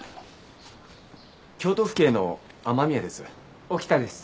京都府警の雨宮です。